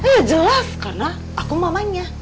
ya jelas karena aku mamanya